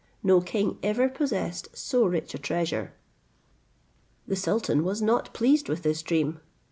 No king ever possessed so rich a treasure." The sultan was not pleased with this dream.